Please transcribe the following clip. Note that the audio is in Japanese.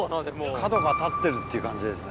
・角が立ってるっていう感じですね・